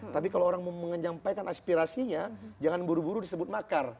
tapi kalau orang mau menyampaikan aspirasinya jangan buru buru disebut makar